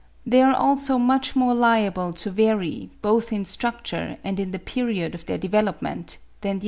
They are also much more liable to vary, both in structure and in the period of their development, than the other teeth.